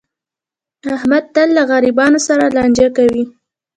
احمد تل له غریبانو سره لانجه کوي.